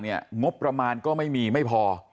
งบประมาณก็ไม่มีไม่พอ